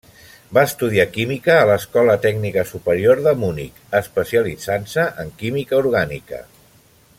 Va estudiar química a l'Escola Tècnica Superior de Munic, especialitzant-se en química orgànica.